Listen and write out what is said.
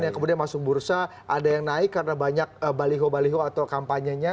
yang kemudian masuk bursa ada yang naik karena banyak baliho baliho atau kampanyenya